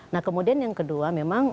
nah kemudian yang kedua memang